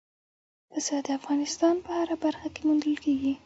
پسه د افغانستان په هره برخه کې موندل کېږي.